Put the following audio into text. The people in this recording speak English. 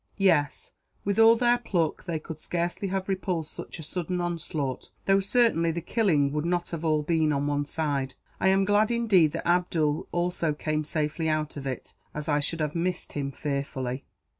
"Yes; with all their pluck, they could scarcely have repulsed such a sudden onslaught though, certainly, the killing would not all have been on one side. I am glad, indeed, that Abdool also came safely out of it; as I should have missed him, fearfully.